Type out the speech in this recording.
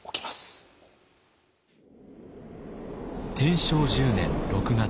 天正１０年６月。